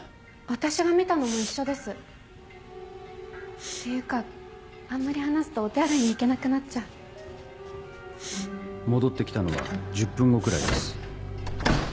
私が見たのも一緒ですていうかあんまり話すとお手洗いに行戻って来たのは１０分後ぐらいです。